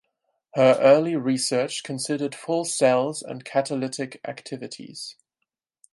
Her early research considered full cells and catalytic activities.